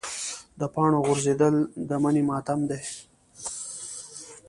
د پاڼو غورځېدل د مني ماتم دی.